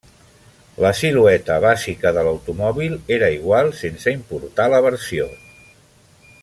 La silueta bàsica de l'automòbil era igual sense importar la versió.